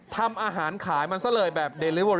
ทำอาหารขายมันซะเลยแบบ